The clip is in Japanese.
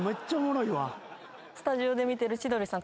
スタジオで見てる千鳥さん